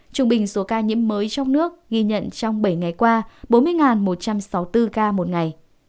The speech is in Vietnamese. trung bình số ca nhiễm mới trong nước ghi nhận trong bảy ngày qua bốn mươi một trăm sáu mươi bốn ca một ngày